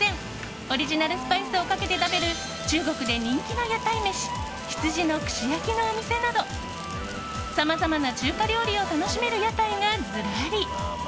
オリジナルスパイスをかけて食べる中国で人気の屋台飯羊の串焼きのお店などさまざまな中華料理を楽しめる屋台がずらり。